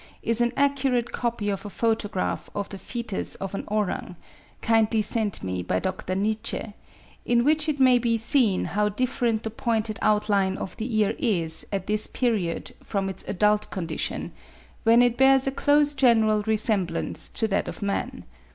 3) is an accurate copy of a photograph of the foetus of an orang (kindly sent me by Dr. Nitsche), in which it may be seen how different the pointed outline of the ear is at this period from its adult condition, when it bears a close general resemblance to that of man.